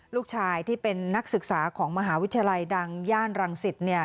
ลูกชายที่เป็นนักศึกษาของมหาวิทยาลัยดังย่านรังสิต